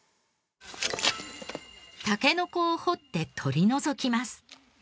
タケノコを掘って取り除きます。